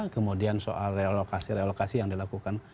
kemudian soal relokasi relokasi yang dilakukan